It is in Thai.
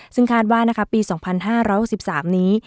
ซึ่งคาดว่านะคะปีสองพันห้าร้อยสิบสามนี้